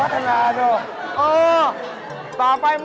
เฮ่ยมึงพัฒนางานเหรอ